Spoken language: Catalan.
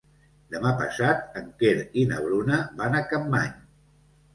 Demà passat en Quer i na Bruna van a Capmany.